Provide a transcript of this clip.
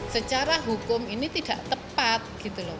secara hukum ini tidak tepat gitu loh